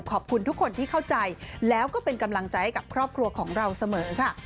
ขอบคุณทุกคนที่เข้าใจแล้วก็เป็นกำลังใจให้กับครอบครัวของเราเสมอค่ะ